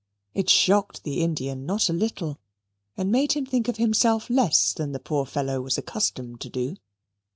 It shocked the Indian not a little and made him think of himself less than the poor fellow was accustomed to do.